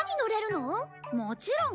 もちろん。